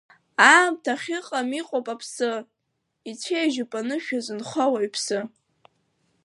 Аамҭа ахьыҟам иҟоуп Аԥсы, ицәеижьуп анышә иазынхо ауаҩԥсы.